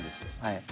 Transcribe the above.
はい。